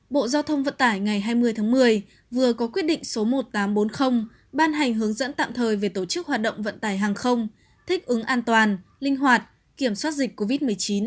bộ giao thông vận tải ngày hai mươi tháng một mươi vừa có quyết định số một nghìn tám trăm bốn mươi ban hành hướng dẫn tạm thời về tổ chức hoạt động vận tải hàng không thích ứng an toàn linh hoạt kiểm soát dịch covid một mươi chín